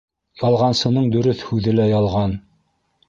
Ялғансының дөрөҫ һүҙе лә ялған.